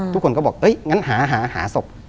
ทุกคนก็บอกเอ๊ะงั้นหาหาศพ